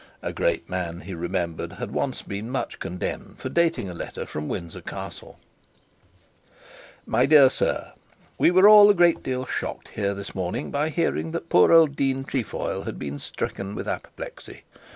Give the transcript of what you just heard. A great man, he remembered, had been once much condemned for dating a letter from Windsor Castle.) '(Private) 'My dear Sir, We were all a good deal shocked here this morning by hearing that poor old Dean Trefoil had been stricken with apoplexy.